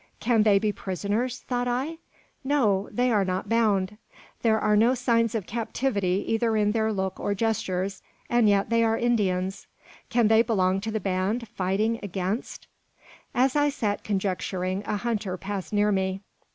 "Can they be prisoners?" thought I. "No; they are not bound. There are no signs of captivity either in their looks or gestures, and yet they are Indians. Can they belong to the band, fighting against ?" As I sat conjecturing, a hunter passed near me.